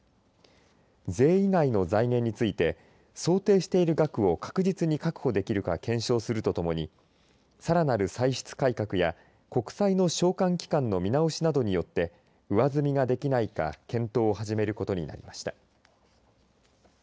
税以外の財源について想定している額を確実に確保できるか検証するとともにさらなる歳出改革や国債の償還期間の見直しなどによって上積みができないか検討を始めることになりました。